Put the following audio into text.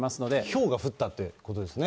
ひょうが降ったってことですね。